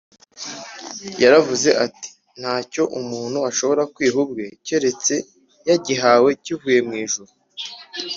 Yaravuze ati, “Nta cyo umuntu yashobora kwiha ubwe, keretse yagihawe kivuye mu ijuru